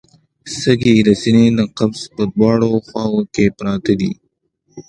سږي د سینې د قفس په دواړو خواوو کې پراته دي